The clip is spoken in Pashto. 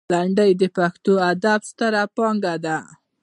لنډۍ د پښتو ادب ستره پانګه ده.